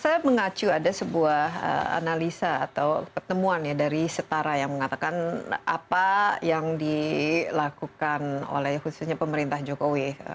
saya mengacu ada sebuah analisa atau pertemuan ya dari setara yang mengatakan apa yang dilakukan oleh khususnya pemerintah jokowi